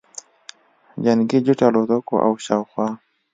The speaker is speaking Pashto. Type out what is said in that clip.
جنګي جټ الوتکو او شاوخوا